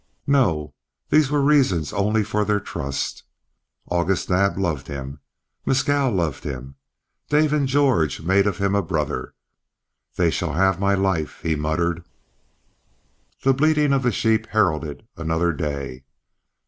No, these were only reasons for their trust. August Naab loved him. Mescal loved him; Dave and George made of him a brother. "They shall have my life," he muttered. The bleating of the sheep heralded another day.